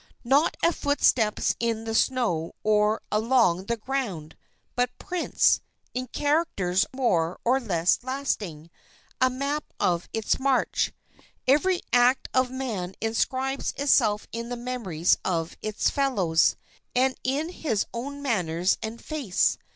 Not a foot steps into the snow or along the ground but prints, in characters more or less lasting, a map of its march. Every act of man inscribes itself in the memories of its fellows, and in his own manners and face.